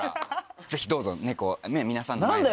ぜひどうぞ『猫』皆さんの前で。